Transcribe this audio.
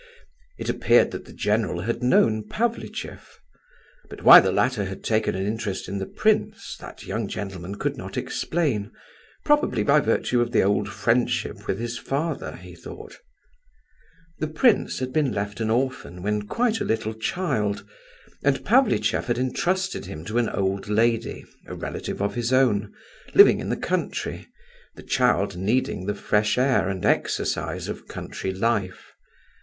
It appeared that the general had known Pavlicheff; but why the latter had taken an interest in the prince, that young gentleman could not explain; probably by virtue of the old friendship with his father, he thought. The prince had been left an orphan when quite a little child, and Pavlicheff had entrusted him to an old lady, a relative of his own, living in the country, the child needing the fresh air and exercise of country life.